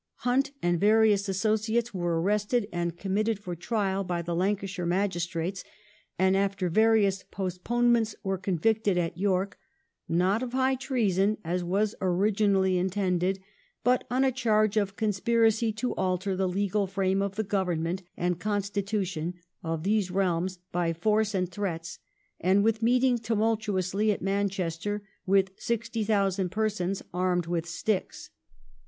Hunt and various associates were arrested and committed for trial by the Lancashire magistrates, and after various postpone ments were convicted at York, not of high treason, as was originally intended, but on a charge of " conspiracy to alter the legal frame of the Government and constitution of these realms, by force and threats, and with meeting tumultuously at Manchester, with 60,000 pei'sons, armed with sticks